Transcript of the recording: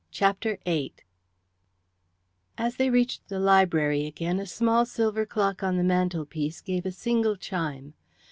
CHAPTER VIII As they reached the library again a small silver clock on the mantelpiece gave a single chime.